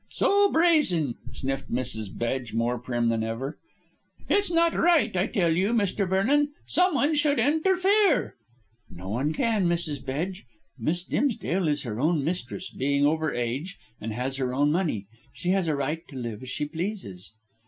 "So brazen," sniffed Mrs. Bedge, more prim than ever; "it's not right, I tell you, Mr. Vernon. Someone should interfere." "No one can, Mrs. Bedge. Miss Dimsdale is her own mistress, being over age, and has her own money. She has a right to live as she pleases."